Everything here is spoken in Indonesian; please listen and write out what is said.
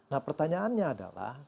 nah pertanyaannya adalah